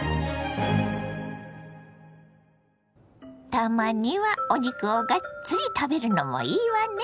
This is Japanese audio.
たまにはお肉をがっつり食べるのもいいわね。